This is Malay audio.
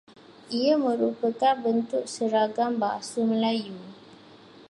Ia merupakan bentuk seragam bahasa Melayu.